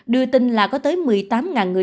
đưa tin là có tới một mươi tám người